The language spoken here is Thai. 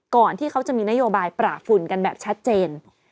ก่อนที่เขาจะมีนโยบายปราบฝุ่นกันแบบชัดเจน